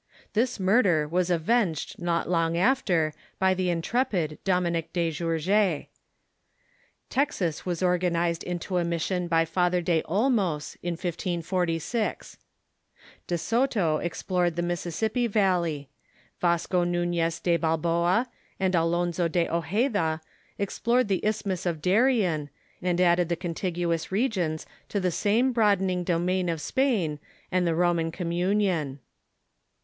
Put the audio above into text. This murder Avas avenged not long after by the intrepid Dominic de Gourges. Texas Avas organized into a mission by Father de Olmos in 1546. De Soto explored the THE SPANISH COLONIZATION 435 Mississippi Valle5\ Vasco Nunez de Balboa and Alonzo de Ojeda explored the Isthmus of Darien, and added the contig uous regions to the same broadening domain of Spain and the Roman communion.